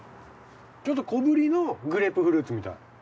ちょっと小ぶりのグレープフルーツみたい。